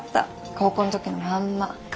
高校の時のまんま。